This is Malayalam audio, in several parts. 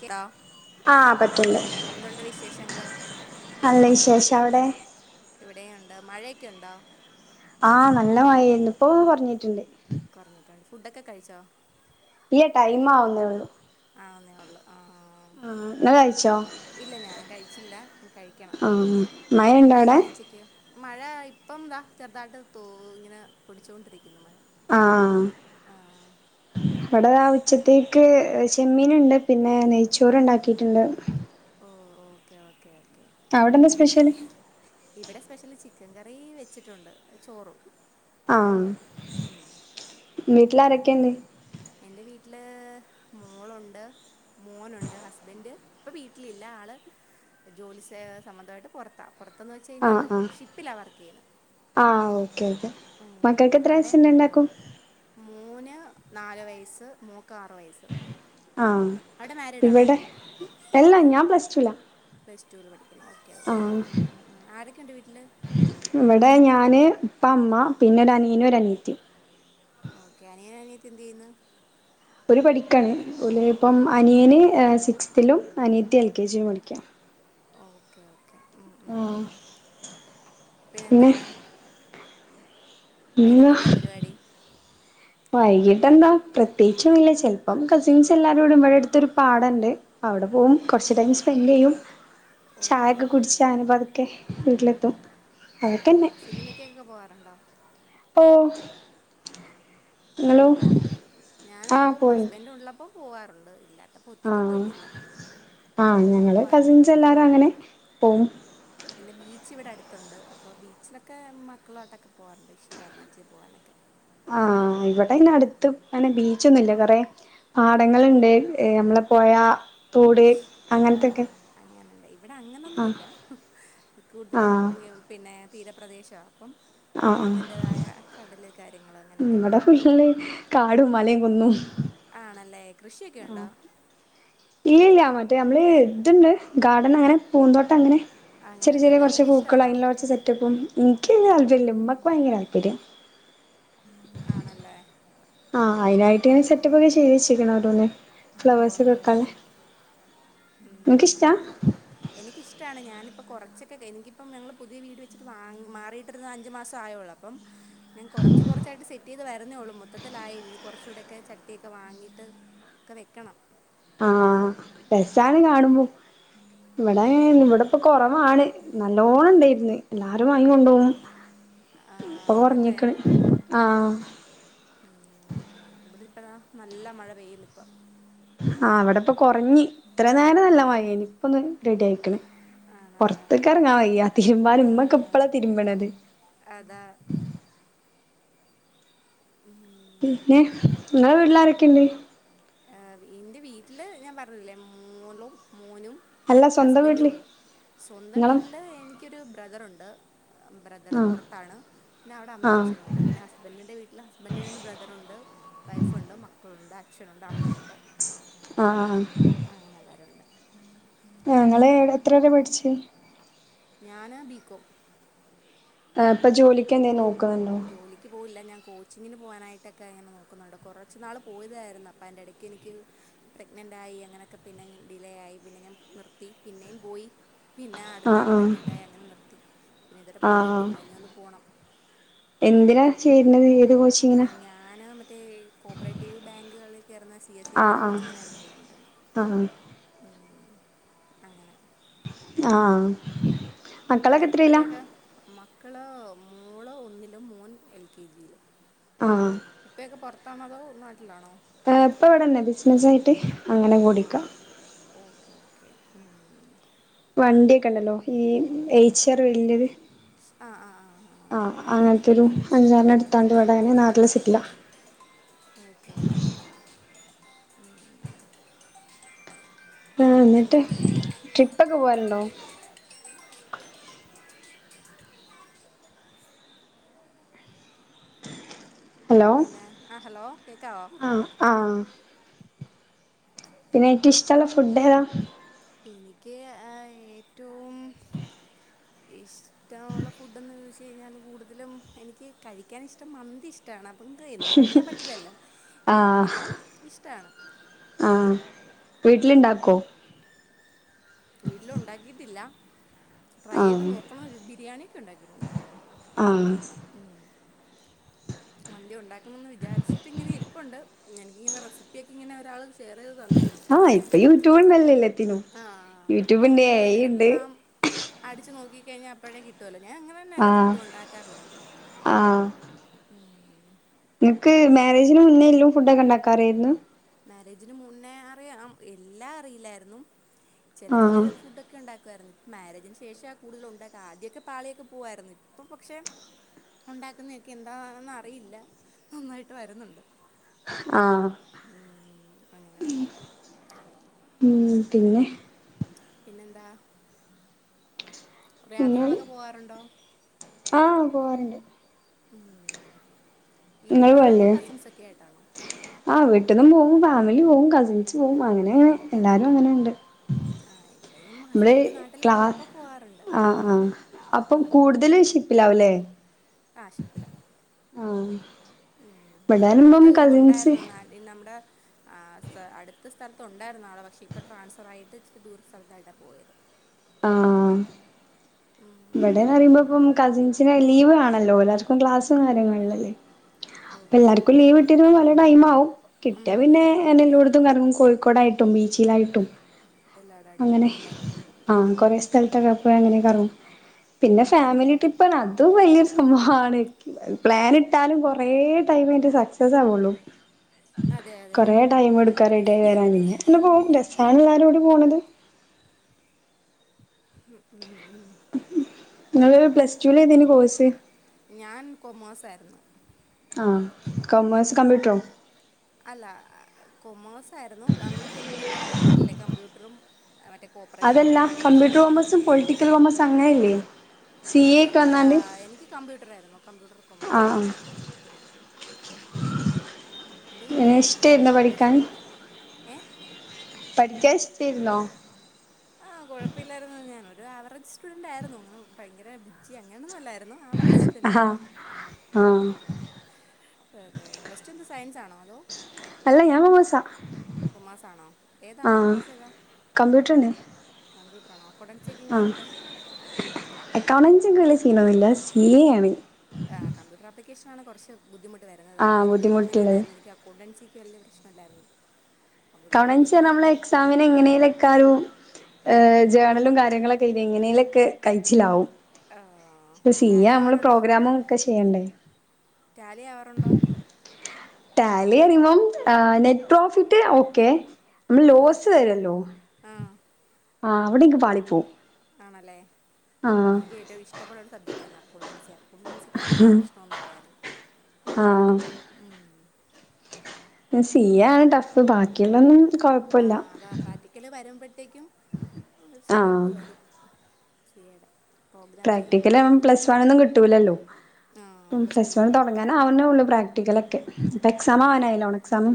ഹലോ ആഹ് പറ്റ്ണ്ട് എന്തുണ്ട് വിശേഷങ്ങള്? നല്ല വിശേഷം അവിടെ? ഇവിടെയുണ്ട് മഴയൊക്കെ ഉണ്ടോ? ആഹ്! നല്ല മഴയാരുന്നു. ഇപ്പൊ കുറഞ്ഞിട്ടുണ്ട്. കുറഞ്ഞിട്ടുണ്ട്. ഫുഡൊക്കെ കഴിച്ചോ? ഇല്ല! ടൈ മാകുന്നതേയുള്ളു. ആന്നേ! ഉള്ളൂ ആ ഇങ്ങള് കഴിച്ചോ ഇല്ല ഞാൻകഴിച്ചില്ല കഴിക്കണം. ആഹ് മഴയുണ്ടോ അവിടെ എന്താക്കി ഉച്ചയ്ക്ക്? മഴ ഇപ്പം ദാ ചെറുതായിട്ട് തോ ഇങ്ങനെ പൊടിച്ചുകൊണ്ടിരിക്കുന്നു മഴ. ആഹ് ആഹ് ആ! ആ ഇവിടെ ആ ഉച്ചത്തേക്ക് ചെമ്മീനുണ്ട്, പിന്നെ നെയ്ച്ചോറ് ഉണ്ടാക്കിട്ടുണ്ട്. ഓ ഓക്കെ ഓക്കെ. ഓക്കെ അവിടെന്താ സ്പെഷ്യല്? സ്പെഷ്യല് ചിക്കൻ കറി വെച്ചിട്ടുണ്ട്, ചോറും. അതേ ആഹ്. ഉള്ളു ഉം. വീട്ടിലാരൊക്കെണ്ട്? എൻ്റെ വീട്ടില് മോളുണ്ട്, മോനുണ്ട്, ഹസ്ബൻഡ് ഇപ്പൊ വീട്ടിലില്ല ആള് ജോലി സംബന്ധമായിട്ട് പുറത്താ. പുറത്തന്ന് വെച്ചു ആഹ് കഴിഞ്ഞാല് ആഹ് ഷിപ്പിലാ വർക്ക് ചെയ്യുന്നത്. ആഹ് ഓക്കെ ഓക്കെ അങ്ങനെ മക്കൾക്ക് അവിടെ എത്രവയസു ഇണ്ടാക്കും? മോന് നാല് വയസ്സ്, മോക്ക് ആറു വയസ്സ്. ആ അവിടെ മാരീഡാണോ ഇവിടെ അല്ലാ ഞാൻ പ്ലസ്ടുലാ. പ്ലസ് ടൂവിൽ പഠിക്കണു ഓക്കെ ഓക്കെ! ഉം ആരൊക്കെയുണ്ട് വീട്ടില്? ഞാന് ഇവിടെ ഉപ്പ അമ്മ പിന്നെ ഒരനിയനും ഒരനീത്തിം. ഇപ്പെന്ത് ചെയ്യുന്നു? ഓര് പഠിക്കാണ്. ഓല് ഓ ഇപ്പം അനിയന് സിക്സ്തിലും അനിയത്തി എൽ കെ ജി ലും പഠിക്കാണ്. Okay okay. ഉം പിന്നെ എന്താണ്? ഇന്ന് വൈകിട്ടെന്താ പരിപാടി? വൈകിട്ട് എന്താ പ്രത്യേകിച്ചും ഇല്ല! ചിലപ്പം കസിൻസ് എല്ലാരും കൂടി ഇവിടെ അടുത്തൊരു പാടമുണ്ട് അവിടെ അവിടെ! പോവും. കുറച്ച് ടൈം സ്പെൻഡ് ചെയ്യും. ഓക്കെ ചായയൊക്കെ ഓക്കെ കുടിച്ച് ആണു പതുക്കെ വീട്ടിലെത്തും. ആണോ? അതൊക്കെന്നെ സിനിമക്കൊക്കെ പോവാറുണ്ടോ? ഓ. നിങ്ങളോ പോവോ? ഞാനും ആഹ് പോവും. പോയി ഹസ്ബൻഡ് ഉള്ളപ്പോ പോവാറുണ്ട്. ഒറ്റക്ക് ആഹ്! പോയിട്ടില്ല ആഹ്! ഉള്ളപ്പോ ഞങ്ങള് പോവാറുണ്ട് കസിൻസ് എല്ലാരും അങ്ങനെ പോവും. പിന്നെ ബീച്ച് ഇവിടെ അടുത്തുണ്ട്. അപ്പൊ ബീച്ചിലൊക്കെ മക്കളോട്ടൊക്കെ പോകാറുണ്ട്. ഇഷ്ടമാണ് ബീച്ചിൽ പോകാനൊക്കെ. ആഹ്! ഇവിടെ ഇങ്ങെടുത്ത് പിന്നെ ബീച്ചൊന്നുംല്ല. കുറെ പാടങ്ങളുണ്ട്. നമ്മള് പോയാ തൂടെ! ഓ! അങ്ങനണ്ട്. ഇവിടെ ആഹ് അങ്ങനൊന്നുംല്ല. കൂടുതലും ആഹ് പിന്നെ! തീരപ്രദേശമാണ് അപ്പം ആഹ് ആഹ് അതിൻ്റേതായ കടലുകാ! ഇവിടെ ഫി ഷ്യഷ്യലകാടും മലയും കുന്നും ആണല്ലേ? കൃഷിയൊക്കെ ഒണ്ടോ? ഇല്ലില്ല! മറ്റേ നമ്മള് ഇതുണ്ട് ഗാർഡൻ അങ്ങനെ പൂന്തോട്ടം അങ്ങനെ! ചെറിയ ചെറിയ അങ്ങനെയുണ്ടല്ലേ കുറച്ച് അതൊക്കെ പൂക്കൾ ഇഷ്ടമാണോ അതിനുള്ള കുറച്ച്സെറ്റപ്പും എനിക്ക് താല്പര്യമില്ല ഉമ്മക്ക് ഭയങ്കര താല്പര്യ ആണല്ലേ ആ അതിനായിട്ട് ഇങ്ങനെ സെറ്റപ്പ് ഒക്കെ ചെയ്ത് വെച്ചേക്കണ് ഓരോന്ന് ഫ്ലവേഴ്സ് വെക്കാന് ഉ നിനക്കിഷ്ടാ എനിക്കിഷ്ടാണ് ഞാന് അ കുറച്ചൊക്കെ എനിക്ക് പ്പം ങ്ങൾ പുതിയ വീട് വെച്ച്മാറീട്ട് ഒരു അഞ്ച്മാസം ആയതേ ഉള്ളൂ അപ്പം ഞ കുറച്ച് കുറച്ചായിട്ട് സെറ്റ് ചെയ്ത് വരുന്നേള്ളൂ മൊത്തത്തിലായി ഇനി കൊറച്ചുകൂടൊക്കെ ചട്ടിയൊക്കെ വാങ്ങീട്ട് ഒക്കെ വക്കണം ആ ഹാ രസാണ് കാണുമ്പം. ഇവടെ അങ്ങനെ ഇവടെപ്പൊ കൊറ ആ ആണ്. നല്ലോണം ണ്ടേര്ന്ന്. ആര വാങ്ങികൊണ്ടൊവും. ആ, ആണല്ലേ ഓളൊറങ്ങിക്ക്ണ്. ആ പ്പതാ നല്ല മഴ പെയ്യ്ണ്ട്പ്പം ആ അവടപ്പൊ കൊറഞ്ഞി. ഇത്രനേരം ആ, ല്ല മഴേനി, ഇപ്പൊന്ന് റെഡി ആയിക്ക്ണ്. ആണല്ലേ പൊർത്ത്ക്കെ ർങ്ങാവെയ്യ, തിരുമ്പാനും ആ, മ്മക്കെ ഇപ്പളാ തിരുമ്പ്ണത്. അതാ! [inaudible] പിന്നെ, ങ്ങളെ വീട്ടിലാരൊക്കെണ്ട്? ഏർ ഇന്റെ വീട്ടില്, ഞാൻ പർഞ്ഞില്ലേ മോളും മോനും, അല്ല സ്വന്തം വീട്ടില് ഹസ്ബൻ്റുംള്ളു. സ്വന്തം ഇങ്ങളെ വീട്ടില് എനിയ്ക്കൊരു ബ്രദറുണ്ട്. ബ്രദറ് ആഹ് പൊർത്താണ്. പിന്നവടെ അമ്മ ആഹ് അച്ഛനുണ്ട്. പിന്നെ ഹസ്ബൻഡിന്റെ വീട്ടില് ഹസ്ബൻഡി്ന് ബ്രദറുണ്ട്. വൈഫുണ്ട്, മക്കളുണ്ട്, അച്ഛനുണ്ട്, അമ്മയുണ്ട്. ആഹ് അങ്ങനെ എല്ലാവരും ഉണ്ട് ആ ങ്ങള് എ എത്രരെ പഠിച്ച്? ഞാന് ബിക്കോം. ആ പ്പ ജോലിക്കെന്തേ നോ ജോലിയ്ക്ക് പോയില്ല. ഞാ കോച്ചിങ്ങിന് പോവാനായിട്ടൊക്കെ ങ്ങനെ നോക്കുന്നൊണ്ട്. കൊറച്ച്നാള് പോയതായിരുന്നു. അപ്പയിൻ്റെടയ്ക്ക് നിയ്ക്ക് പ്രഗ്നൻ ണ്ടായി. അങ്ങനൊക്കെ, പിന്നെ ഡിലേ യായി. പിന്നെ ഞാൻ നിർത്തി. പിന്നെയും പോയി. പിന്നെ ആഹ് അട്ത്താളെ ആഹ് പ്രഗ്നന്റ് ആയി. അങ്ങനെ നിർത്തി. പിന്നെ ഇതുവരെ ആഹ് പോയിട്ടില്ല, ഇനിയൊന്നു പോണം. എന്തിനാ ചേര്ണത്. എ ആ ഞാന് മറ്റേ ഈ കോപ്പറേറ്റീവ് ബേങ്കുകളി കേറ്ന്ന സി എസ് ഇ ബിടെ കോച്ചിങ്ങനെ ആയിര്ന്ന് പോയിക്കൊണ്ട താ അങ്ങനെ, ആഹാ! പിന്നെ മക്കളൊക്കെ എത്രയിലാ? ഉപ്പയ്ക്കൊക്കെ മക്കള് മോള് ഒന്നിലും മോൻ എൽ കെ ജിയിലും. ആ ഹാ തണതോ [unintelligible] ആപ്പൊ വടെന്നെ, ബിസ്നസായിട്ട് അങ്ങനെ ഓ പോണ്ടിക്കാ. [inaudible] വണ്ട്യൊക്കെണ്ടല്ലോ ഈ എയ്ച്ചആർ വല്ല്യത്. ആ ആ [unintelligible] അഞ്ചാർന്ന തണ്ടപടകനെ നാട്ട്ല് സിക്കില [inaudible] ആ ഹാ ന്നട്ട്, പിന്നെന്താ ട്രിപ്പൊക്കെ പോവൽണ്ടോ? ഹലോ! പിന്നെ ആ ഹലോ കേൾക്കാവോ ആ ആ പിന്നെ ഏറ്റവുഷ്ടള്ള ഫുഡേതാ? എനിക്ക് ഏ ഏറ്റവും ഇഷ് ഷ്ടമുള്ള ഫുഡെന്ന് ചോദിച്ച് കഴിഞ്ഞാല് കൂട്തലും എനിയ്ക്ക് കഴിയ്ക്കാനിഷ്‌ടം മന്തിഷ് ടാണ്. അപ്പം ക്ക് എന്നും കഴിക്കാൻ പറ്റില്ലല്ലോ ആഹ് എങ്കിലും ഇഷ്ടാണ്. വീട്ടില്ണ്ടാക്കോ? വീട്ടിലൊ ഒണ്ടാക്കിട്ടില്ല. ട്രൈയ്ത് ആഹ് നോക്കണം. ബിരിയാണിയൊക്കെ ഉണ്ടാക്കിട്ടുണ്ട്. ആഹ് മന്തി ഉണ്ടാക്കണോന്ന് വിചാരിച്ചിട്ടിങ്ങനെ ഇരിപ്പുണ്ട്. ന്ന എനിക്കിങ്ങനെ റെസിപ്പി ഒക്കെ ഇങ്ങനെ ഒരാള് ആഹ ഇപ്പ യൂട്യൂബ് ഉണ്ടല്ലേ എല്ലത്തിനും. ആ ആഹ് യൂട്യൂബ് ഇപ്പം ഇണ്ട്, ഒന്ന് എഐ ഉണ്ട് എല്ലാം അടിച്ചു നോക്കി കഴിഞ്ഞാൽ അപ്പോഴേ കിട്ടുവല്ലേ ഞാൻ അങ്ങനെ തന്നെ എല്ലാ ആഹ് ഫുഡും ഉണ്ടാക്കാറുള്ളത് ആഹ് ഉം നിങ്ങക്ക് മാരേജിന് മുന്നേ എല്ലും ഫുഡ് ഒക്കെ ഉണ്ടാക്കാറായിരുന്നു? മാരേജിന് മുന്നേ അറിയാം. എല്ലാം അറിയില്ലായിരുന്നു. ചെല ചെല ആഹ് ഫുഡ്‌ ഒക്കെ ഉണ്ടാ മാരേജിന് ശേഷം ആ കൂടുതൽ ഉണ്ടാക്ക. ആദ്യമൊക്കെ പാളിയൊക്കെ പോവായിരുന്നു ഇപ്പൊ പക്ഷെ, ഉണ്ടാക്കുന്നയൊക്കെ എന്താന്നറിയില്ല നന്നായിട്ട് വരുന്നുണ്ട് ആഹ ഉം അങ്ങനെ ഉം പിന്നെ പിന്നെന്താ പിന്നെ യാത്രകളൊക്കെ പോവാറുണ്ടോ? ആഹ് പോവാറുണ്ട് ഉം നിങ്ങള് വീട്ടിന്നാണോ അതോ പോവലില്ലേ കസിൻസ് ഒക്കെ ആയിട്ടാണോ? പെറ്റന്നും പോവും, ഫാമിലി പോവും, കസിൻസും പോവും, അങ്ങനെ എല്ലാരും അങ്ങനെണ്ട്. ആഹ ഇല്ല മ്മള് ക്ലാ ആ അപ്പം കൂടുതല് ഷിപ്പിൽ ആവുംല്ലേ ആ ഷിപ്പില. ഉം ഇവിടെ ഇവിടരുമ്പം അടുത്ത് കസിൻസ് ഉണ്ടായിരുന്നു നാട്ടി നമ്മുടെ ആ അടുത്ത സ്ഥലത്തുണ്ടായിരുന്നു ആള്, പക്ഷെ ഇപ്പൊ ട്രാൻസ്ഫർ ആയിട്ട് ച്ചിരിദൂര സ്ഥലത്തായിട്ടാ പോയത് ആഹ് ഇവിടെന്ന് പറുമ്പോ ഇപ്പം കസിൻസിനെ ലീവ് ആണല്ലോ എല്ലാർക്കും ക്ലാസും കാര്യങ്ങളല്ലെ. ഓക്കെ എല്ലാർക്കും ഓക്കെ ലീവ് ഇട്ടിരുമ്പോ പല ടൈം ആവും. ഉം കിട്ടിയാ പിന്നെ എന്നെ എല്ലോട്ത്തും കറങ്ങും. കോഴിക്കോട് ടായിട്ടും ബീച്ചിലായിട്ടും എല്ലാവരുമായിട്ട് അങ്ങനെ പോകും അല്ലേ ആ കൊറെ സ് അങ്ങനെ കറങ്ങും. പിന്നെ ഉം ഫാമിലി ട്രിപ്പ്റഞ്ഞാൽ അത് വല്യ സം മാണ്. പ്ലാൻ ഇട്ടാലും കുറേ ടൈം കഴിഞ്ഞിട്ടേ സക്സസ് ആവുള്ളു അതെ അതെ കുറേ അതെ ടൈം എടുക്കും റെഡിയായി വരാന്, എന്നെ പോവും രസാണ് എല്ലാരോടി പോണത് [inaudible] ഉം ഉ ഉം ങ്ങള് പ്ലസ്ടുലേതേനി കോഴ്സ്? ഞാൻ കൊമേഴ്സ് ആയിരുന്നു. ആ കൊമേഴ്സ് കമ്പ്യൂട്ടറും കോമേഴ്സ് ആയിരുന്നു. നമ്മള് പിന്നെ ഡിഗ്രി വരുമ്പോഴല്ലേ കമ്പ്യൂട്ടറും മറ്റേ കോപ്പറേഷനും അതല്ല ഞാൻ കമ്പ്യൂട്ടർ കോപ്പറേഷനായിരുന്നു കൊമേഴ്സും പൊളിറ്റിക്കൽ കൊമേഴ്സും അങ്ങനെയല്ലേ സി എ ആ വന്നാണ്ട് എനിക്ക് കമ്പ്യൂട്ടർ ആയിരുന്നു. കമ്പ്യൂട്ടർ ആ കൊമേഴ്സ് ആയിരുന്നു. ഉ അത് എങ്ങനെ കഴിഞ്ഞിട്ട് ബികോം ഇഷ്ടായിരുന്നോ കോപ്പറേഷൻ പഠിക്കാൻ എടുത്ത ഏ പഠിക്കാൻ ഇഷ്ടായിരുന്നോ? ആഹ കുഴപ്പമില്ലായിരുന്നു ഞാനൊരു ആ അവറേജ് സ്റ്റുഡന്റ് ആയിരുന്നു അ ഭയങ്കര ബുജി അങ്ങനൊന്നല്ലായിരുന്നു ആവറേജ് സ്റ്റുഡൻറ് ആഹാ ആയിരുന്നു. ആ അതെ പ്ലസ് ടു എന്താ സയൻസ് ആണോ? ഹലോ അല്ല ഞാൻ കൊമേഴ്സ കൊമേഴ്സ് ആണോ ഏതാ കോമേഴ്സ് ഏതാ കമ്പ്യൂട്ടറുണ്ട് കമ്പ്യൂട്ടറാണോ അക്കൗണ്ടൻസി ഒക്കെ ആ എങ്ങനുണ്ട്? വല്യ സീനോന്നുല്ല സീ എ യാണ്. ആ കമ്പ്യൂട്ടർ ആപ്ലിക്കേഷൻ ആണ് കൊറച്ച് ബുദ്ധിമുട്ട് വരുന്നത് ആ അത് എനിക്കും അങ്ങനെ ബുദ്ധിമുട്ടുള്ളത് തന്നായിരുന്നു. എനിക്ക് അക്കൗണ്ടൻസിക്ക് വല്യ പ്രശ്നല്ലായിരുന്നു. അക്കൗണ്ടൻസി പറഞ്ഞ നമ്മളെ എക്സാമിന് എങ്ങനേലക്കാരു ആഹ് ജേണലും കാര്യങ്ങളൊക്കെ ഇങ്ങനെലൊക്കെ കഴിച്ചിലാവും. ആഹ് ടാലി സീയാമ്മള് ആവാറുണ്ടോ പ്രോഗ്രാമും ക്കെ ചെയ്യണ്ടേ ടാലി ആവാറുണ്ടൊ? ടാലി റിയുമ്പം നെറ്റ് പ്രോഫിറ്റ് ഓക്കെ നമ്മള് ആഹ് ലോസ് വരോലോ ആഹ് ആഹ് അവിടെന്ക് പാളി പോവും ആണല്ലേ എനിക്ക് ഏറ്റവും ഇഷ്ടപ്പെടുന്ന ഒരു സബ്ജക്റ്റായിരുന്നു അക്കൗണ്ടൻസി അപ്പ മൻസിക്കാത്ത എനിക്ക് പ്രശ്നംൊന്നുമല്ലായിരുന്നു ആഹ് ഉ [unintelligible] സി ആണ് ടഫ് ബാക്കിയുള്ളൊന്നും- കൊഴപ്പല്ല ആഹ അതാ പ്രാക്ടിക്കല് വരുമ്പോഴേത്തെക്കും ആഹ് ചെറിയാരിത് വരും. ചെയ്യട [unintelligible] പ്രാക്ടിക്കല് പ്ലസ് വൺ ഒന്നും കിട്ടൂില്ലല്ലോ ആ പ്ലസ് ടുവിൽ വൺ തുടങ്ങാന അവനേള്ളൂ- പ്രാക്ടിക്കൽ ഒക്കെ ഇപ്പൊ എക്സാം ആണല്ലേ ആവാനായില്ല ഓണം എക്സാം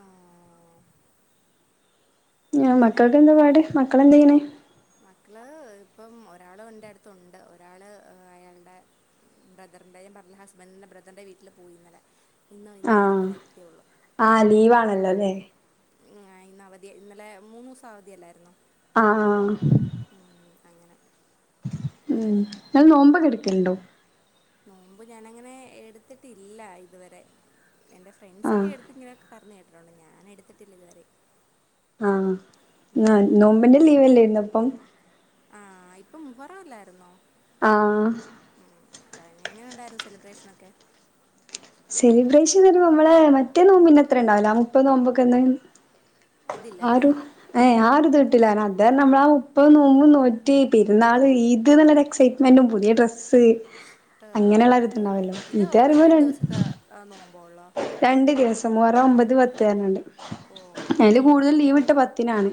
ആ മക്കൾക്ക് എന്താ പാട് മക്കളെന്തെ ചൊയിണ്. മക്കള് ഇപ്പം ഒരാള് എന്റെ അടുത്തുണ്ട് ഒരാള് അയാളുടെ- [unintelligible] ബറിന്റെയും പറ ഹസ്ബൻഡറിന്റെ ബ്രദറിന്റെ വീട്ടില് പോയിുന്നല്ലെ [unintelligible] ആഹ ആഹ് ലീവാ ആണല്ലോല്ലേ? ഇന്ന അവധി ഇന്നലെ മൂന്നുസം അവധിയ അല്ലായിരുന്നുോ? ആഹ ആഹ അങ്ങനെ ഉം ഇങ്ങൾ നോമ്പൊക്കെ ഇടുക്കലുണ്ടോ? നോമ്പ് ഞാനങ്ങനെ എടുത്തിട്ടില്ല ഇതുവരെ എൻ്റെ ഫ്രെണ്ട്സ് ആഹ് ഒക്കെ എടുത്ത് ഇങ്ങനെ പറഞ്ഞു കേട്ടിട്ടുണ്ട് ഞാൻ എടുത്തിട്ടില്ല ഇതുവരെ. ആഹ് ആ ഉം. നോമ്പിന്റെ ലീവല്ലേ ഇന്നപ്പം? ആഹ ഇപ്പം മുഹറല്ലായിരുന്നോ? ആഹ ആ എങ്ങനെ ഉണ്ടായിരുന്നു സെലിബ്രേഷനൊക്കെ? സെലിബ്രേഷൻ വരെ നമ്മടെ മറ്റേ നോമ്പിൻ്റെത്രേം ഇണ്ടാകില്ല ആഹ് മുപ്പത് നോമ്പൊക്കെ ഉള്ളത് അതില്ലല്ലേ ആറ് ഏ ആരു ദൊ [unintelligible] അത് നമ്മള മുപ്പ നോമ്പ് നോറ്റ്. പെരുന്നാൾ ഈദ്ന്നുള്ളൊരു. എക്സൈറ്റ്മെന്റും പുതിയ ഡ്രസ്സ്. അങ്ങനെയുള്ള ഒരുത്ത് ഉണ്ടാവല്ലോ ഇത [unintelligible] ആഹ് നോമ്പൊള്ള രണ്ട് ദിവസം മുഹറം ഒമ്പത് പത്ത് തരനണ്ട് ഓ അയ്ൻ്റ കൂടുതൽ അങ്ങനെയുള്ളല്ലേ ലീവ ഇട്ട പത്തിനാണ്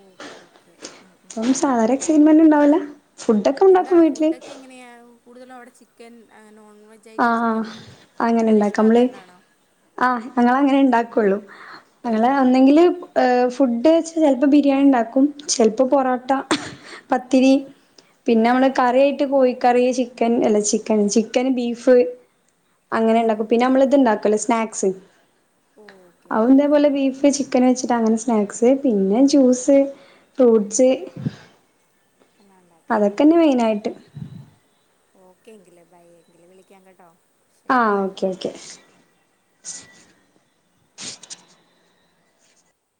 ഓക്കെ [inaudible] ഓക്കെ [inaudible] അപ്പ ഉം. സാധാരണ എക്സൈറ്റ്മെന്റ് ഉണ്ടാവല ഫുഡ ഒക്കെ എന്താ ഉണ്ടാക്കും വീട്ടില്. ഫുഡൊക്കെ എങ്ങനെയാ കൂടുതലും അവിടെ ചിക്കൻ അങ്ങനെ- ആ അങ്ങനെ ഉണ്ടാക്ക ഇഷ്ടം നമ്മള അത് തന്നെയാണോ ആ് ഞങൾ അങ്ങനെ ഉണ്ടാക്കുള്ളു. ഏ, അങ്ങെ ഒന്നെങ്കിൽ ഹ [unintelligible] ഫുഡ് വെച്ചാൽ ചിലപ്പോ ബിരിയാണി ഉണ്ടാക്കും. ചിലപ്പോ പൊറോട്ട. പത്തിരി ഉം. ഉം പിന്നെ ആ നമ്മള് കറിയായിട്ട് കോഴിക്കറി ചിക്കൻ അല്ല ചിക്കൻ ചിക്കന് ബീഫ്- ഫ് അങ്ങനെ ആ ഉണ്ടാക്കും പിന്നെ ഓക്കെ ഓക്കെ നമ്മളിത്ണ്ടാക്കല്ലോ സ്നാക്സ് ഓക്കെ അത് ഓക്കെ ഇതേപോലെ ബീഫ് ചിക്കൻ വെച്ച് ങ്ങനെ സ്നാക്സ് പിന്നെ ജ്യൂസ് ഫ്രൂട്ട്സ്- എന്നാൽ അതൊക്കെന്നെ ഉണ്ടാക്കാറുണ്ടല്ലേ ഓ മെയിനായിട്ട്. ഓക്കെ എങ്കില് ബൈ എങ്കില് വിളിക്കാൻ കേട്ടോ. ശരി ആ ബൈ ഓക്കെ ഓക്കെ